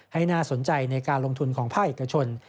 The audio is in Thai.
ให้น่าสนใจในการลงทุนของภาคเอกชน